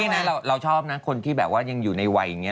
นี่นะเราชอบนะคนที่แบบว่ายังอยู่ในวัยอย่างนี้